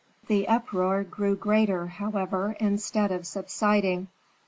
The uproar grew greater, however, instead of subsiding.